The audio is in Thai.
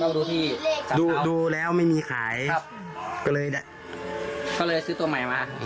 ดูที่ดูแล้วไม่มีขายครับก็เลยก็เลยซื้อตัวใหม่มา